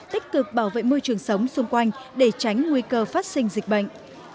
tích cực bảo vệ môi trường sống xung quanh để tránh nguy cơ phát sinh dịch bệnh